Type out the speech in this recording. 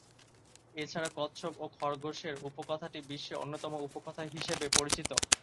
এছাড়া, "কচ্ছপ ও খরগোশের" উপ-কথাটি বিশ্বে অন্যতম উপ-কথা হিসেবে পরিচিত।